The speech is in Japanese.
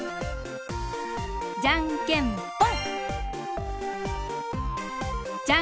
じゃんけんぽん！